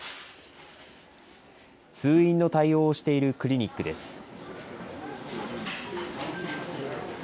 通院の対応をしているクリニックです。